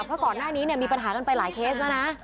เพราะก่อนหน้านี้มีปัญหากันไปหลายเคสแล้วนะ